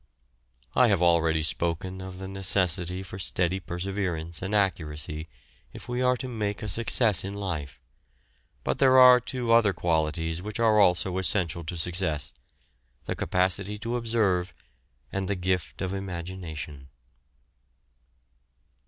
I have already spoken of the necessity for steady perseverance and accuracy if we are to make a success in life, but there are two other qualities which are also essential to success, the capacity to observe, and the gift of imagination.